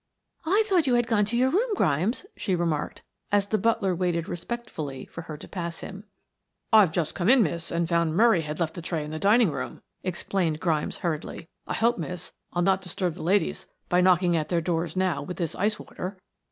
"I thought you had gone to your room, Grimes," she remarked, as the butler waited respectfully for her to pass him. "I've just come in, miss, and found Murray had left the tray in the dining room," explained Grimes hurriedly. "I hope, miss, I'll not disturb the ladies by knocking at their doors now with this ice water."